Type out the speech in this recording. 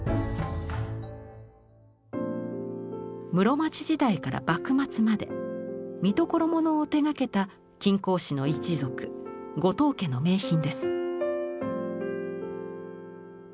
室町時代から幕末まで「三所物」を手がけた金工師の一族後藤家の名品です。